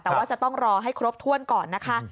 แต่ว่าจะต้องรอให้ครบถ้วนก่อนนะคะ